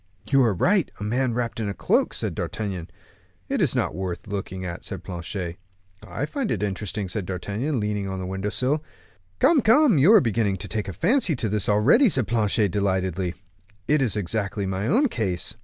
"You are right; a man wrapped in a cloak," said D'Artagnan. "It's not worth looking at," said Planchet. "I find it interesting," said D'Artagnan, leaning on the window sill. "Come, come, you are beginning to take a fancy to the place already," said Planchet, delightedly; "it is exactly my own case.